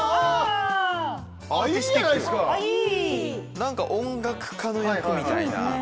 何か音楽家の役みたいな。